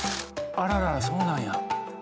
あらららそうなんや。